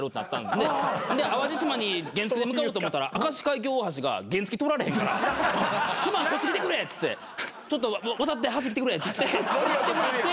で淡路島に原付で向かおうと思ったら明石海峡大橋が原付通られへんからすまんこっち来てくれっつって渡って橋来てくれっつって来てもらって。